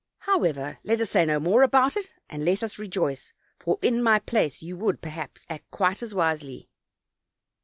However, let us say no more about it, and let us rejoice, for in my place you would, perhaps, act quite as wisely."